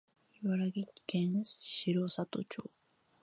茨城県城里町